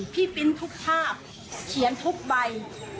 พี่ปริ้นทุกภาพเสียงทุกใบ